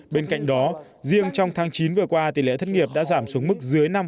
bên cạnh đó riêng trong tháng chín vừa qua tỷ lệ thất nghiệp đã giảm xuống mức dưới năm